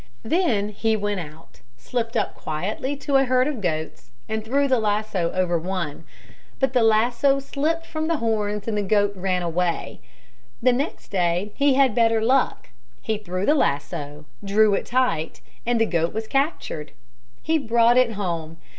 Then he went out, slipped up quietly to a herd of goats and threw the lasso over one. But the lasso slipped from the horns and the goat ran away. The next day he had better luck. He threw the lasso, drew it tight and the goat was captured. He brought it home.